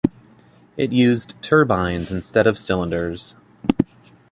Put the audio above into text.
It used turbines instead of cylinders.